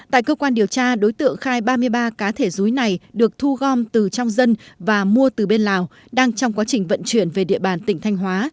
tại cơ quan điều tra đối tượng khai ba mươi ba cá thể rúi này được thu gom từ trong dân và mua từ bên lào đang trong quá trình vận chuyển về địa bàn tỉnh thanh hóa